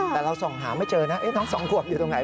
แต่เราส่องหาไม่เจอนะทั้งสองขวบอยู่ตรงไหน